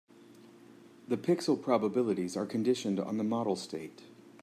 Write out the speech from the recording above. The pixel probabilities are conditioned on the model state.